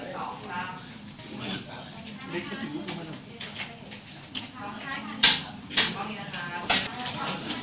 ขอบคุณครับ